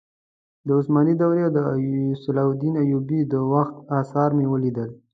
د عثماني دورې او صلاح الدین ایوبي د وخت اثار مې ولیدل.